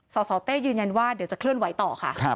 สสเต้ยืนยันว่าเดี๋ยวจะเคลื่อนไหวต่อค่ะ